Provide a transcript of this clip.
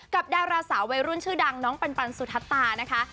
กับดาราสาวใบรุ่นชื่อดังน้องปันปันสุทธาตานะคะ